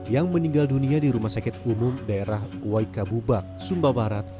yang meninggal dunia di rumah sakit umum daerah waikabubak sumba barat